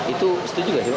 itu setuju gak